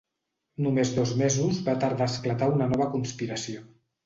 Només dos mesos va tardar a esclatar una nova conspiració.